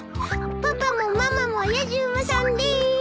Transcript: パパもママもやじ馬さんです！